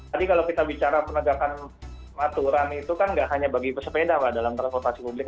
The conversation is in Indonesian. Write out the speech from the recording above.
tadi kalau kita bicara penegakan aturan itu kan nggak hanya bagi pesepeda pak dalam transportasi publik